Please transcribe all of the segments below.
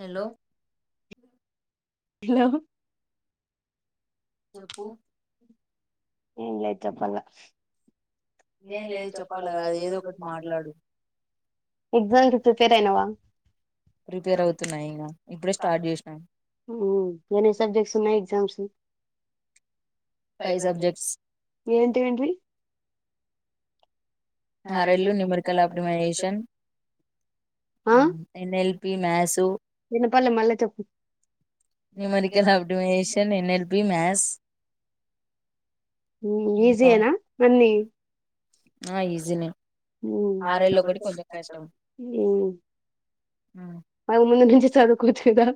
hello hello చెప్పు ఏం లే చెప్పాల్ల ఏం లేదు చెప్పాలి నువ్వే ఏదో ఒకటి మాట్లాడు ఎక్సజంకి ప్రిపేర్ అయినావా ప్రిపేర్ అవుతున్నాయి ఇంగ ఇప్పుడే స్టార్ట్ చేసినా హ్మ్ ఎన్ని సబ్జెక్ట్స్ ఉన్నాయ్ ఎక్సజామ్స్ వి ఫైవ్ సబ్జెక్ట్స్ ఏంటి వెంటివి హారైళ్లు నిమర్ కలా అపడమనేేషన్ NLP maths numerical updation NLP maths ఈజీయేనా అన్నీ ఆ ఈజీినె హ్మ్ ఆరోళ్లకోసారి పెడతారు హ్మ్ అవి ముందు నుంచి చదువుకోవచ్చు కదా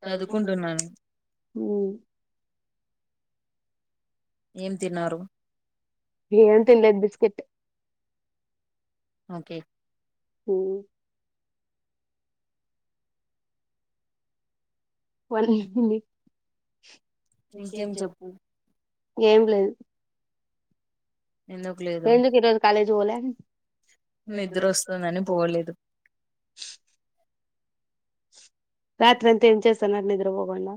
చదువుకుంటున్న నేను హ్మ్ ఏం తినలేదు బిస్కెట్ ఓకే హ వడి ఇంకేం ఏం లేదు ఏందుకి రోజు కాలేజు బోలే నిద్ర వస్తుందని పోవలేదు రాత్రి అంత ఏం చేస్తా నగనిద్ర పోగడా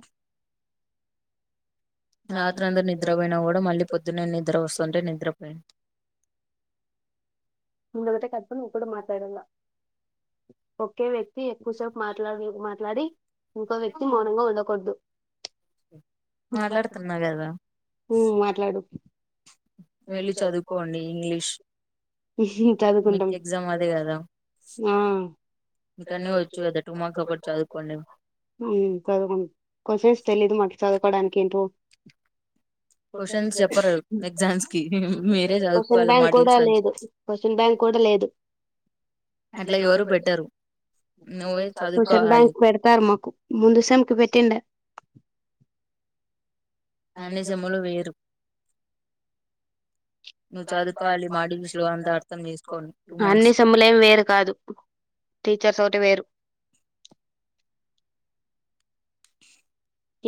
రాత్రంతా నిద్రపోయినా కూడా మళ్ళీ పొద్దునేే నిద్ర వస్తుంటే నిద్రపోయింది ముండగట కత్ పనిక్కడ మాతడ ే వ్యక్తి ఎక్కువసేపు మాట్లాడు మాట్లాడి ఇంకో వ్యక్తి మౌనంగా ఉండకూడదు మాట్లాడుతున్నా కదా వెళ్ళి చదువుకోండి ఇంగ్లీష్ మీకు ఎగ్జామ్ అదే కదా ఇంకానివ్వచ్చు కదా టూ మంత్స్ ఒకటి చదువుకోండి చదువుకోండి కొంచేసి తెలియదు మాకు చదువుకోవడానికి ఏంటో క్వశ్చన్స్ చెప్పర్ ఎగ్జామ్స్ మీరే చదుకు వాళ్ళ మాటిల్స్ అట్లా ఎవరు పెట్టరు కూచం బ్యాం పెడతారు మాకు ముందు సంకి పెట్టి అ అ నిజములు వేరు అన్ని సమ్ములేం వేరు కాదు టీచర్స్ ఒకటి వేరు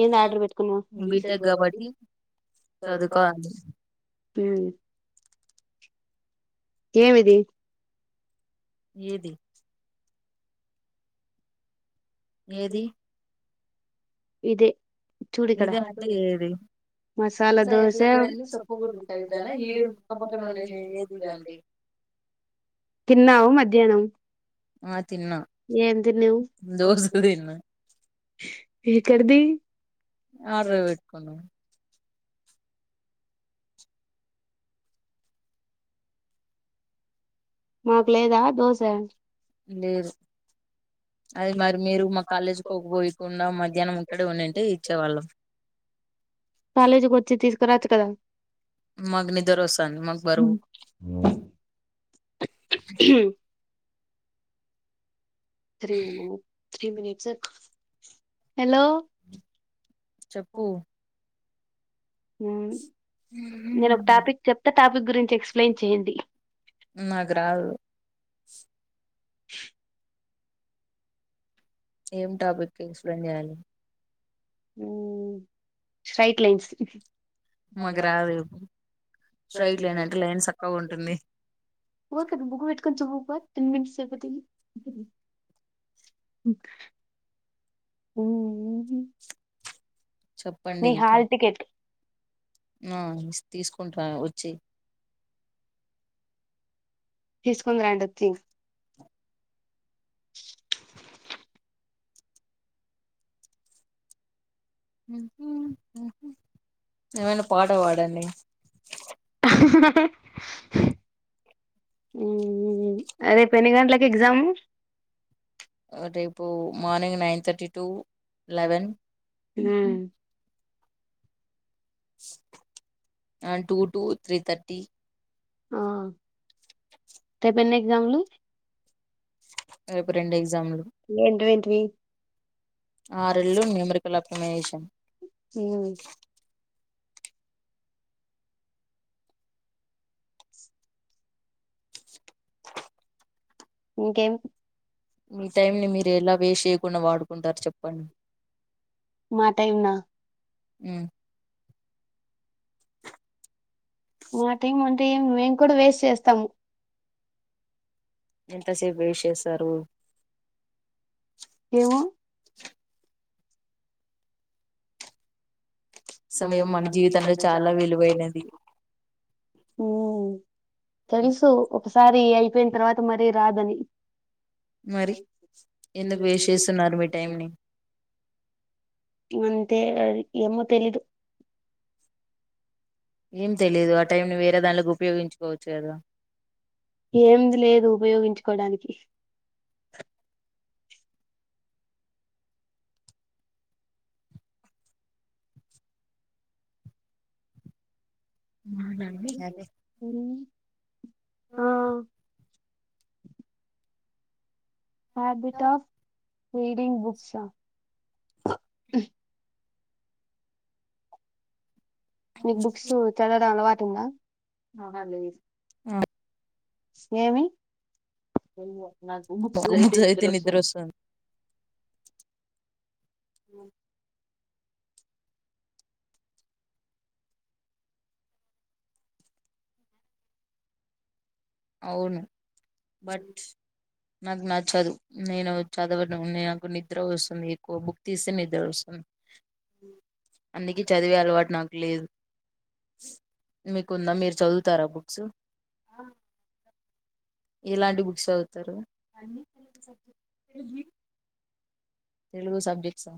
ఏ ఆర్డర్ పెట్టుకున్నా కాబట్టి హ ఏమిది ఏది ఏది ఇదే ఇదే అంటే ఏది మసాలా దోస సొప్పు గుాారి ప అ కిన్నా మధ్యాహ్నం ఎంది నువ ఫకది ఆర ఇట్కు మాకు లేదా దోశ లేదు అది మరి మీరు మా కాలేజ్కిపోయకుండా మధ్యాహ్నం ఇక్కడే ఉన్నింటే ఇచ్చేవాళ్ళం కాలేజీకి వచ్చి తీసుకురాచ్చు కదా మగ నిదరు వసాను మగ బరువ హ త్రీ మి త్రీ మినిట్స్ హలో చెప్పు మ్మ్ నేను ఒక టాపిక్ చెప్త టాపిక్ గురించి ఎక్స్ప్లెయిన్ చేయండి మ్మ్ నాకు రాదు ఏం టాపికు ఎక్స్ప్లెయిన్ చేయాలి మ్మ్ స్ట్రైట్ లైన్స్ మగ రాదు స్ట్రైట్ లైన్ అంటే లైన్ చక్కగా ఉంటుంది అవు పా తిన్ మినిట్స్ అయిపోతే ఈ మ్మ్ మ్మ్ మ్మ్ హు నీ హల్ టికెట్టు నా తీసుకుంటా వచ్చి తీసుకొని రాండి వత్తే మ్మ్ పాాల మ్మ్ రేపు ఎన్ని గంటలకి ఎగ్జాము ఆ రేపు morning nine thirty to eleven మ్మ్ ఆ టూ టూ త్రీ థర్టీ ఆ రేపు ఎన్ని ఎగ్జాములు ఏంటివెంటివి ఆ రెండు న్యూమరికల్ అబ్జర్మేషన్ మ్మ్ ఇంకేం మీ టైం ని మీరు ఎలా వేస్ట్ చేయకుండా వాడుకుంటారు చెప్పండి టైమ్ నా మ్మ్ మా టైం అంటే ఏ మేము కూడా వేస్ట్ చేస్తాము ఎంతసేపు యూస్ చేస్తారు ఏమో సమయం మన జీవితంలో చాలా విలువైనది మ్మ్ తెలుసు ఓ ఒకసారి అయిపోయిన తర్వాత మరీ రాదని మరి ఎందుకు వేస్ట్ చేస్తున్నారు మీ టైం ని గింతే అది ఏమో తెలీదు ఏం తెలీదు ఆ టైం ని వేరే దాండ్లకి ఉపయోగించుకోవచ్చు కదా ఏంది లేదు ఉపయోగించుకోడానికి ఆ హ్యాబిట్ ఆఫ్ రీడింగ్ బుక్స్ ఆ మీకు బుక్స్ చదవడం అలవాటుంద ఆ ఏమి నాకు బుక్స్ చదివితే నిద్రవస్తుంది ఆ అవును బట్ నాకు నా చదువు నేను చదవడం నేన్ నాకు నిద్ర వస్తుంది ఎక్కువ బుక్ తీస్తే నిద్ర వస్తుంది అందుకే చదివే అలవాటు నాకు లేదు మీకుంద మీరు చదువుతారా బుక్స్ ఎలాంటి బుక్స్ చదువుతారు తెలుగు సబ్జెక్ట్సా